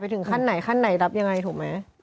ทุกคนไม่รู้